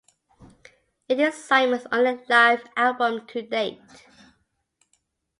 It is Simon's only live album to date.